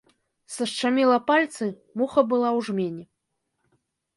Сашчаміла пальцы, муха была ў жмені.